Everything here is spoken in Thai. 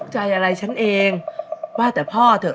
ใช่ไหมพี่